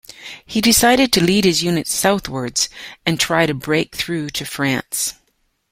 He decided to lead his unit southwards and try to break through to France.